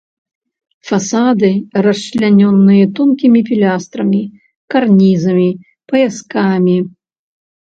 Фасады расчлянёныя тонкімі пілястрамі, карнізамі, паяскамі.